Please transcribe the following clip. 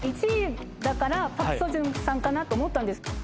１位だからパク・ソジュンさんかなと思ったんです。